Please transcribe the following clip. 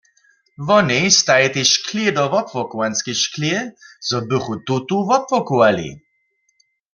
Wonej stajitej šklě do wopłokowanskej šklě, zo bychu tutu wopłokowali.